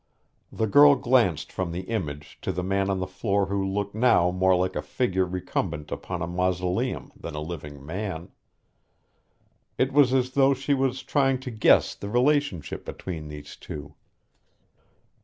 The girl glanced from the image to the man on the floor who looked now more like a figure recumbent upon a mausoleum than a living man. It was as though she was trying to guess the relationship between these two.